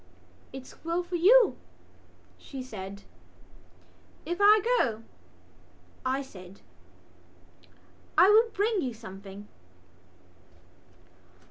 "It's well for you," she said. "If I go," I said, "I will bring you something."